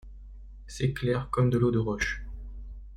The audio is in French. C’est clair comme de l’eau de roche.